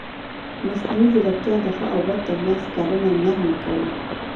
مصنوعي ځیرکتیا د ښه او بد ترمنځ کرښه نرمه کوي.